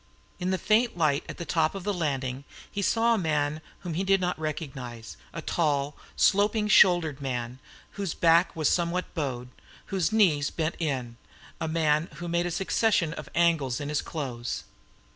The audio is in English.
In the faint light at the top of the landing he saw a man whom he did not recognise a tall, sloping shouldered man, whose back was somewhat bowed, whose knees bent in a man who made a succession of angles in his clothes.